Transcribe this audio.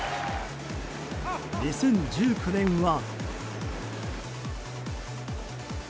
２０１９年は。